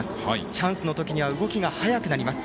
チャンスの時には動きが早くなります。